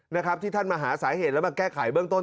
นะครับที่ท่านมาหาสาเหตุแล้วมาแก้ไขเบื้องต้น